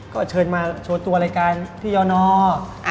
ก็เชิญมาโชว์ตัวรายการพี่ยอนอร์